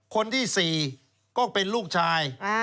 คนที่๔ก็เป็นลูกชาย